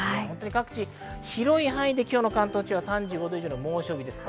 各地、広い範囲で今日の関東地方は３５度以上の猛暑日です。